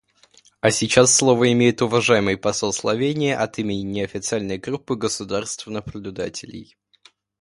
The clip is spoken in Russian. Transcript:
А сейчас слово имеет уважаемый посол Словении от имени неофициальной группы государств-наблюдателей.